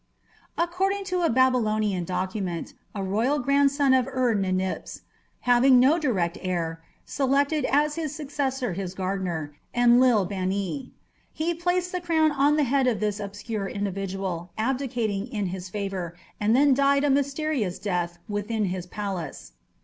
According to a Babylonian document, a royal grandson of Ur Ninip's, having no direct heir, selected as his successor his gardener, Enlil bani. He placed the crown on the head of this obscure individual, abdicated in his favour, and then died a mysterious death within his palace.